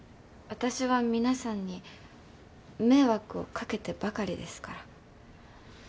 私は皆さんに迷惑をかけてばかりですから。